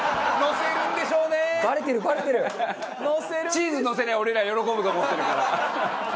チーズのせりゃ俺ら喜ぶと思ってるから。